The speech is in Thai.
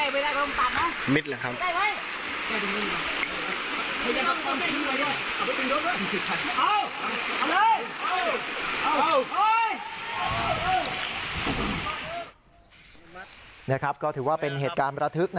นี่ครับก็ถือว่าเป็นเหตุการณ์ประทึก